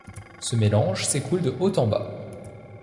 Ce mélange s’écoule de haut en bas.